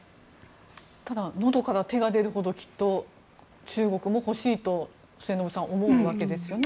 ただのどから手が出るほどきっと中国も欲しいと末延さん、思うわけですよね。